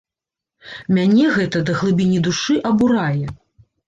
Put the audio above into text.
Мяне гэта да глыбіні душы абурае.